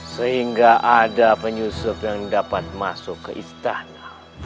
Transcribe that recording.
sehingga ada penyusup yang dapat masuk ke istana